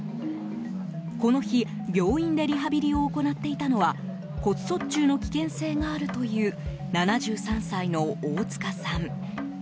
この日、病院でリハビリを行っていたのは骨卒中の危険性があるという７３歳の大塚さん。